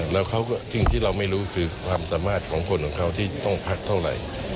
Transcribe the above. แล้วสิ่งที่เราไม่รู้คือความสามารถของคนของเขาที่ต้องพักเท่าไหร่